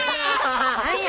何や！